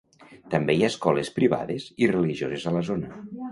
També hi ha escoles privades i religioses a la zona.